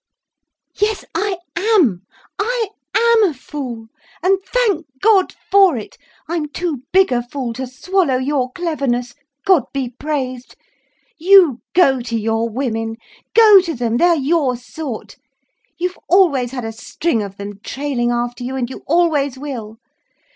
"Yes, I am. I am a fool. And thank God for it. I'm too big a fool to swallow your cleverness. God be praised. You go to your women—go to them—they are your sort—you've always had a string of them trailing after you—and you always will.